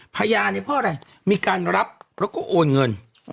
พยานเนี่ยเพราะอะไรมีการรับแล้วก็โอนเงิน